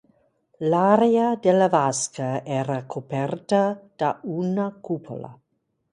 L'area della vasca era coperta da una cupola.